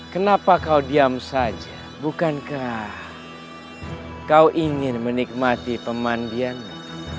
kenapa kau diam saja bukankah kau ingin menikmati pemandiannya